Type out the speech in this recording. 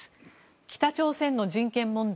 北朝鮮の人権問題